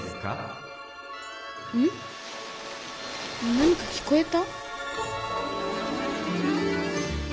何か聞こえた！